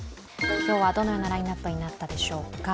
今日はどのようなラインナップになったでしょうか。